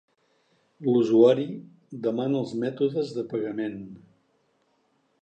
L'usuari demana els mètodes de pagament.